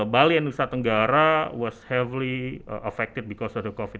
bali dan nusa tenggara terlalu terkenal karena covid sembilan belas